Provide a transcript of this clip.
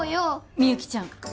みゆきちゃん